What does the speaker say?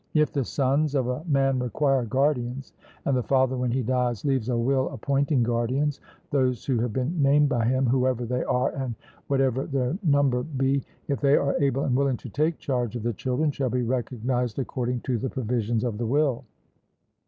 If the sons of a man require guardians, and the father when he dies leaves a will appointing guardians, those who have been named by him, whoever they are and whatever their number be, if they are able and willing to take charge of the children, shall be recognised according to the provisions of the will.